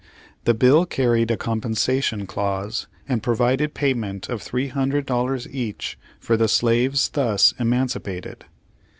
The bill carried a compensation clause, and provided pay ment of $300 each for the slaves thus emanci pated.